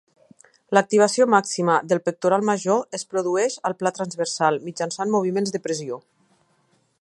L'activació màxima del pectoral major es produeix al pla transversal mitjançant moviments de pressió.